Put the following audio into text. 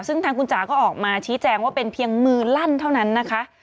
ซึ่งทางคุณจ๋าก็ออกมาชี้แจงว่าเป็นเพียงมือลั่นเท่านั้นนะคะ